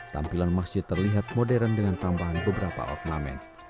tampilan masjid terlihat modern dengan tambahan beberapa ornamen